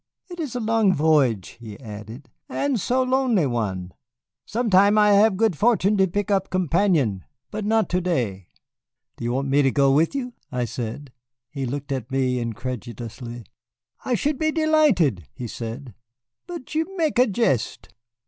"It is so long voyage," he added, "and so lonely one. Sometime I have the good fortune to pick up a companion, but not to day." "Do you want me to go with you?" I said. He looked at me incredulously. "I should be delighted," he said, "but you mek a jest."